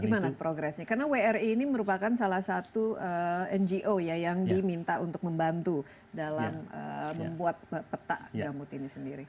gimana progresnya karena wri ini merupakan salah satu ngo ya yang diminta untuk membantu dalam membuat peta gambut ini sendiri